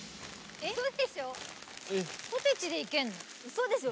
嘘でしょ？